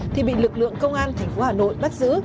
thì bị lực lượng công an thành phố hà nội bắt giữ